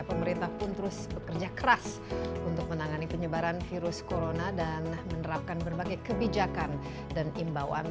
pemerintah pun terus bekerja keras untuk menangani penyebaran virus corona dan menerapkan berbagai kebijakan dan imbauan